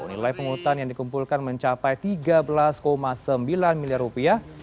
nilai penghutang yang dikumpulkan mencapai tiga belas sembilan miliar rupiah